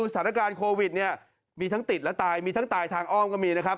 สถานการณ์โควิดเนี่ยมีทั้งติดและตายมีทั้งตายทางอ้อมก็มีนะครับ